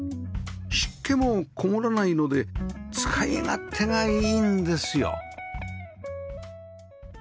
湿気もこもらないので使い勝手がいいんですよ